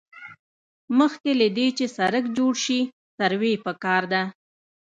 مخکې له دې چې سړک جوړ شي سروې پکار ده